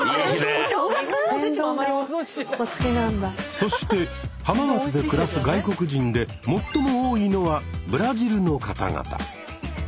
そして浜松で暮らす外国人で最も多いのはブラジルの方々。